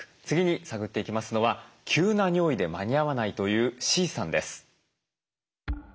次に探っていきますのは急な尿意で間に合わないというＣさんです。